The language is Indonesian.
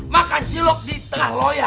makan cilok di tengah loya